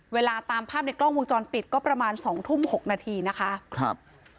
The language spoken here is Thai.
เวลาตามภาพในกล้องวงจรปิดก็ประมาณสองทุ่มหกนาทีนะคะครับ